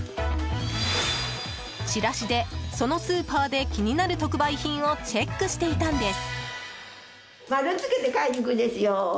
チラシでそのスーパーで気になる特売品をチェックしていたんです。